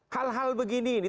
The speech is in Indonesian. hal hal begini ini